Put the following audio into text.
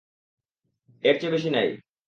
এর চেয়ে বেশি নাই।